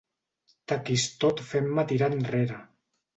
Taquis tot fent-me tirar enrere.